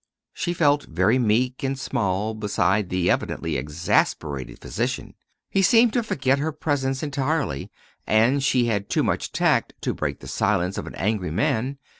She felt very meek and small beside the evidently exasperated physician. He seemed to forget her presence entirely, and she had too much tact to break the silence of an angry man.